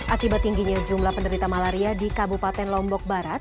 akibat tingginya jumlah penderita malaria di kabupaten lombok barat